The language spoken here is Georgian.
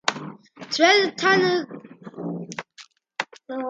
ძველთაგანვე პამირისპირა ხალხებსა და ტაჯიკებს შორის საურთიერთო ენა ტაჯიკური იყო.